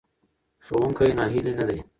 ښوونکی ناهیلی نه دی.